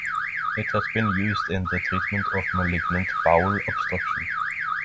It has been used in the treatment of malignant bowel obstruction.